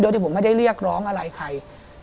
โดยที่ผมไม่ได้เรียกร้องอะไรใคร